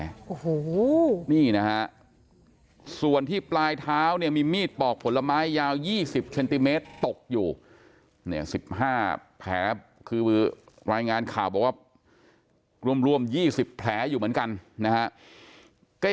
วันปลายเท้ามีมีดปอกผลไม้ยาวยี่สิบเซนติเมตรตกอยู่สิบห้าแผลคือรายงานข่าวบอกว่ารวมหยี่สิบแผลอยู่เหมือนกันนะฮะ